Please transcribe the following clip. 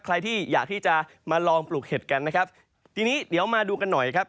ใครที่อยากที่จะมาลองปลูกเห็ดกันนะครับทีนี้เดี๋ยวมาดูกันหน่อยครับ